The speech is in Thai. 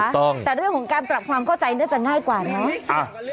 แต่เรื่องของการปรับความเข้าใจเนี่ยจะง่ายกว่าเนอะ